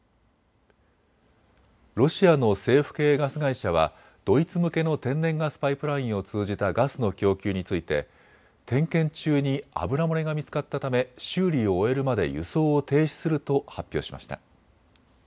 ロシアの政府系ガス会社はドイツ向けの天然ガスパイプラインを通じたガスの供給について点検中に油漏れが見つかったため修理を終えるまで輸送を停止すると発表しました。